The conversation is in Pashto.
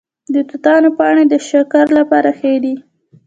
د توتانو پاڼې د شکر لپاره ښې دي؟